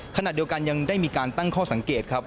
ขณะเดียวกันยังได้มีการตั้งข้อสังเกตครับ